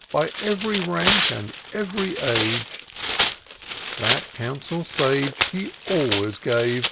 By ey'ry rank and ev'ry age. That counsel sage he always gave.